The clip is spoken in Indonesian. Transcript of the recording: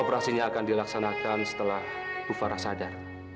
operasinya akan dilaksanakan setelah bu farah sadar